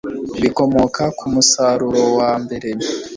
bikomoka ku musaruro wa mbere